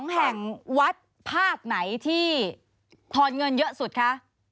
๒แห่งวัดภาคไหนที่ทอนเงินเยอะสุดคะ